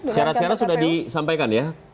syarat syarat sudah disampaikan ya